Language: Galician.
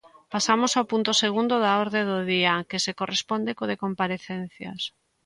Pasamos ao punto segundo da orde do día, que se corresponde co de comparecencias.